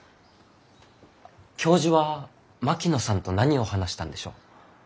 教授は槙野さんと何を話したんでしょう？